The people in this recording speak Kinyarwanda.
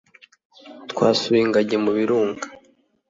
Twasuye ingagi mu birunga